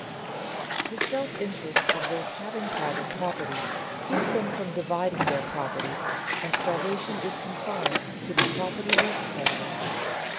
The self interest of those having private property keeps them from dividing their property, and starvation is confined to the propertyless members.